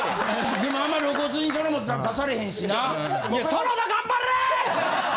でもあんまり露骨にそれも出されへんしな。